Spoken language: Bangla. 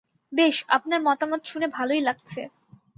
বেশ, আপনার মতামত শুনে ভালোই লাগছে।